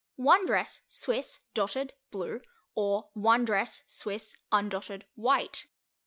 1 Dress, Swiss, Dotted, blue, or 1 Dress, Swiss, undotted, white.